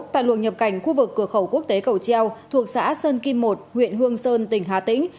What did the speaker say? tại luồng nhập cảnh khu vực cửa khẩu quốc tế cầu treo thuộc xã sơn kim một huyện hương sơn tỉnh hà tĩnh